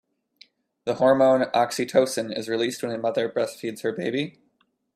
The hormone oxytocin is released when a mother breastfeeds her baby.